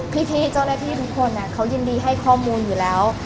พี่เจ้าหน้าที่ทุกคนเขายินดีให้ข้อมูลอยู่แล้ว